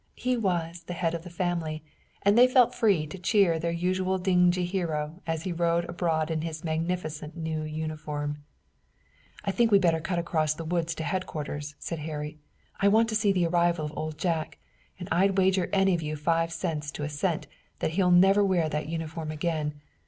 He was the head of the family, and they felt free to cheer their usually dingy hero as he rode abroad in his magnificent new uniform. "I think we'd better cut across the woods to headquarters," said Harry. "I want to see the arrival of Old Jack, and I'd wager any of you five cents to a cent that he'll never wear that uniform again.